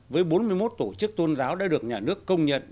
với bốn mươi một tổ chức tôn giáo đã được nhà nước công nhận